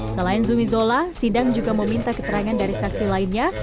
selain zumi zola sidang juga meminta keterangan dari saksi lainnya